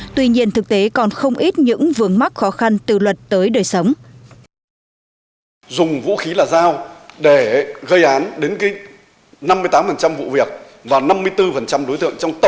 tuy nhiên thực tế còn không ít những vướng mắc khó khăn từ luật tới đời sống